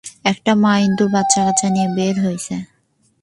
একটা মা-ইন্দুর বাচ্চাকাচ্চা নিয়ে বের হয়েছে।